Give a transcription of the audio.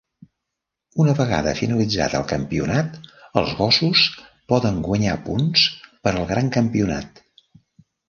Una vegada finalitzat el campionat, els gossos poden guanyar punts per al gran campionat.